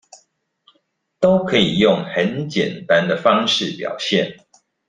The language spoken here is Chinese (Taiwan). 都可以用很簡單的方式表現